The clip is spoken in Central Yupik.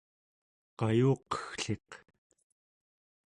qayuqeggliq